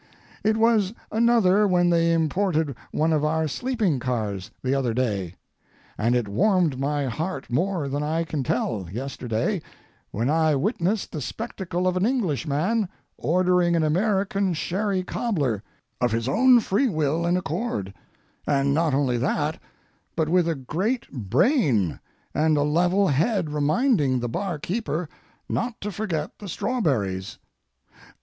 It was another when they imported one of our sleeping cars the other day. And it warmed my heart more than I can tell, yesterday, when I witnessed the spectacle of an Englishman ordering an American sherry cobbler of his own free will and accord—and not only that but with a great brain and a level head reminding the barkeeper not to forget the strawberries.